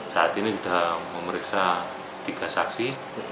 saat ini sudah memeriksa tiga saksi